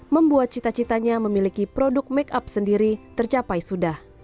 membuat cita citanya memiliki produk makeup sendiri tercapai sudah